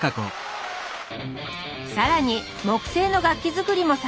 更に木製の楽器作りも盛ん！